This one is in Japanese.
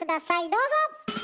どうぞ！